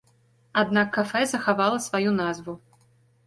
Аднак кафэ захавала сваю назву.